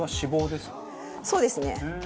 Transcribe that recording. そうですね。